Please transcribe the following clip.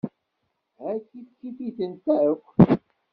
Ha kif kif-itent akk.